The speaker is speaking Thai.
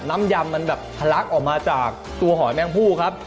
ยำมันแบบทะลักออกมาจากตัวหอยแมงผู้ครับ